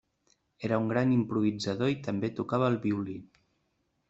Era un gran improvisador i també tocava el violí.